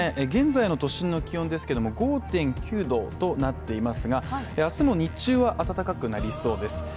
現在の都心の気温ですけれども、５．９度となっていますが明日も日中は暖かくなりそうです。